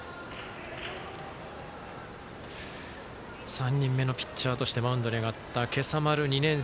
３人目のピッチャーとしてマウンドに上がった今朝丸。